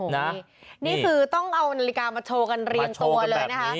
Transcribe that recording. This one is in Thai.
นี่คือต้องเอานาฬิกามาโชว์กันเรียงตัวเลยนะคะ